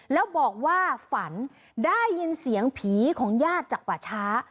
แล้วบอกว่าฝันได้ยินเสียงผีของญาติจากป่าช้า